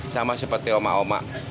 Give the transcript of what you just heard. sama seperti omak omak